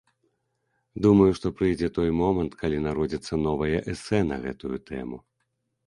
Думаю, што прыйдзе той момант, калі народзіцца новае эсэ на гэтую тэму.